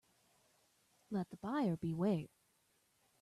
Let the buyer beware.